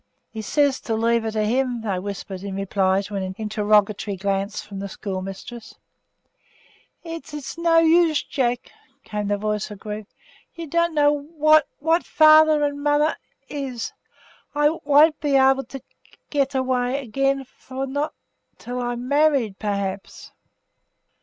'He sez to leave her to him,' they whispered, in reply to an interrogatory glance from the schoolmistress. 'It's it's no use, Jack!' came the voice of grief. 'You don't know what what father and mother is. I I won't be able to ge get away again for for not till I'm married, perhaps.